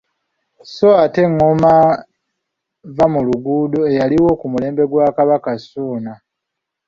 Sso ate engoma vvamuluguudo eyaliwo ku mulembe gwa Kabaka Ssuuna.